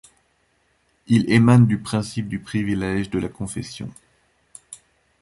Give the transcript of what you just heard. Il émane du principe du privilège de la confession.